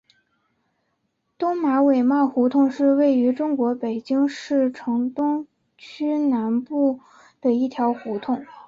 东马尾帽胡同是位于中国北京市东城区南部的一条胡同。